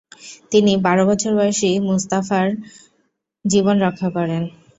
তিনি বারো বছর বয়সী মুস্তাফার জীবন রক্ষা করেন।